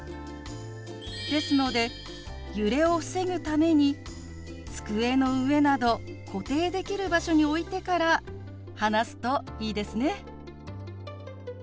ですので揺れを防ぐために机の上など固定できる場所に置いてから話すといいですね。